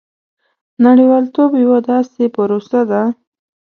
• نړیوالتوب یوه داسې پروسه ده.